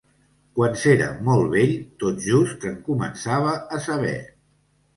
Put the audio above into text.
Quan s'era molt vell tot just se'n començava a saber.